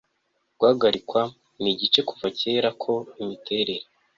guhagarikwa nigice kuva kera ko imiterere